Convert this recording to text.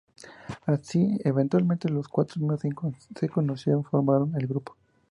Así, eventualmente, los cuatro miembros se conocieron y formaron el grupo.